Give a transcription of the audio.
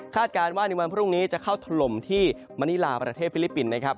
การว่าในวันพรุ่งนี้จะเข้าถล่มที่มณีลาประเทศฟิลิปปินส์นะครับ